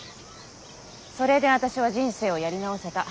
それで私は人生をやり直せた。